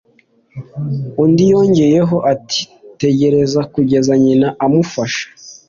undi yongeyeho ati tegereza kugeza nyina amufashe